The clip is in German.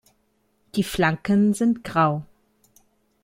Die Flanken sind grau.